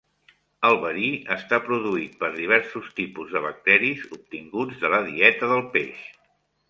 El verí està produït per diversos tipus de bacteris obtinguts de la dieta del peix.